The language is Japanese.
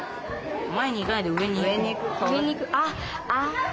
前に行かないで上に行く。